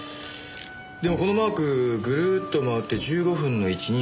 でもこのマークぐるっと回って１５分の位置にあった。